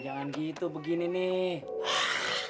jangan gitu begini nih